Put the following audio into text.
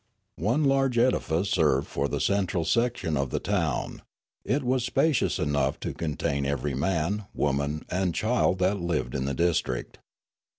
One large edifice served for the central section of the town ; it was spacious enough to contain everj' man, woman, and child that lived in the district.